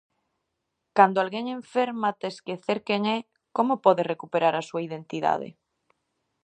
Cando alguén enferma até esquecer quen é, como pode recuperar a súa identidade?